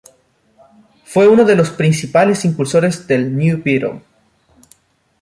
Fue uno de los principales impulsores del New Beetle.